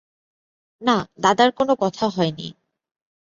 না, দাদার কোনো কথা হয় নি।